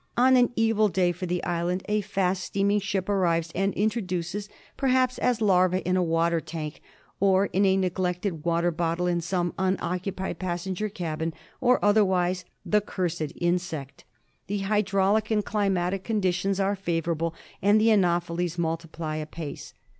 On an evil day for the island a fast steaming ship arrives and introduces — per haps as larvae in a water tank, or in a neglected water bottle in some unoccupied passenger cabin, or otherwise — the cursed insect. The hydraulic and climatic conditions are favourable and the anopheles multiply apace.